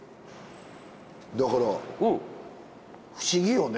だから不思議よね。